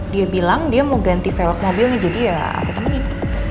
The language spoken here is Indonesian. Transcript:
dia bilang dia mau ganti velop mobil jadi ya aku temenin